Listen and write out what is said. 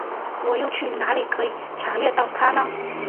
我又去哪里可以查阅到它呢？